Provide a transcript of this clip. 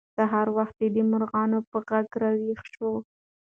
سهار وختي د مرغانو په غږ راویښ شوو.